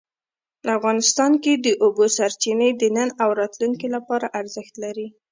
افغانستان کې د اوبو سرچینې د نن او راتلونکي لپاره ارزښت لري.